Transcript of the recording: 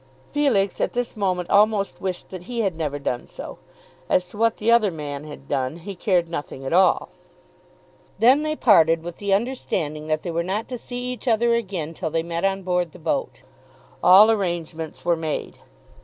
Felix at this moment almost wished that he had never done so. As to what the other man had done, he cared nothing at all. Then they parted with the understanding that they were not to see each other again till they met on board the boat. All arrangements were made.